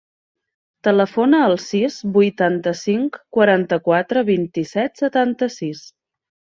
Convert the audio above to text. Telefona al sis, vuitanta-cinc, quaranta-quatre, vint-i-set, setanta-sis.